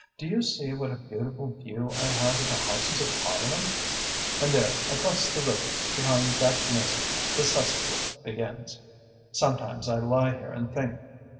Do you see what a beautiful view I have of the Houses of Parliament? And there across the river, behind that mist, the cesspool begins. Sometimes I lie here and think.